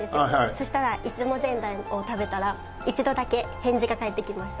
そしたら出雲ぜんざいを食べたら一度だけ返事が返ってきました。